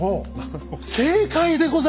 正解でございます！